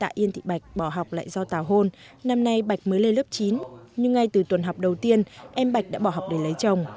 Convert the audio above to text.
trong khi đó em thị bạch bỏ học lại do tàu hôn năm nay bạch mới lên lớp chín nhưng ngay từ tuần học đầu tiên em bạch đã bỏ học để lấy chồng